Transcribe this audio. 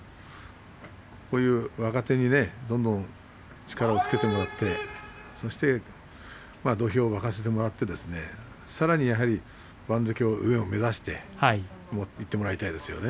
若手に力をつけてもらって土俵を沸かせてもらってさらに番付の上を目指して頑張ってもらいたいですね。